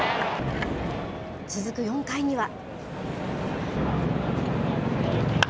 続く４回には。